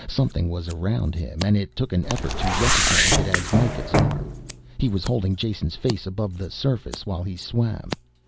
Something was around him and it took an effort to recognize it as Mikah's arm; he was holding Jason's face above the surface while he swam.